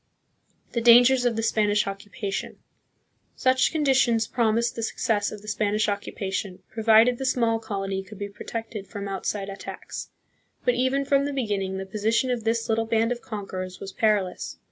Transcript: The Dangers of the Spanish Occupation. Such condi tions promised the success of the Spanish occupation, pro vided the small colony could be protected from outside attacks. But even from the beginning the position of this little band of conquerors was perilous.